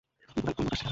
নতুন এক দল লোক আসছে।